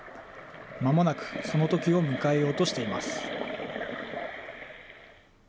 まもなくそのときを迎えようとしています。